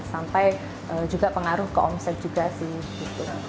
sampai juga pengaruh ke omset juga sih gitu